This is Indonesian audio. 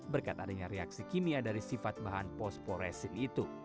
berkat adanya reaksi kimia dari sifat bahan postporesin itu